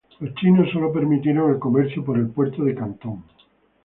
Los chinos solo permitieron el comercio por el puerto de Cantón.